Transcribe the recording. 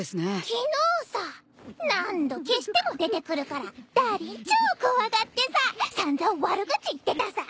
昨日さ何度消しても出てくるからダーリン超怖がってさ散々悪口言ってたさ。